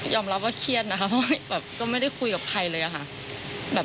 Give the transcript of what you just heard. รับว่าเครียดนะคะเพราะว่าแบบก็ไม่ได้คุยกับใครเลยอะค่ะ